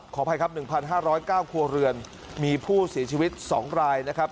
ขออภัยครับหนึ่งพันห้าร้อยเก้าครัวเรือนมีผู้เสียชีวิตสองรายนะครับ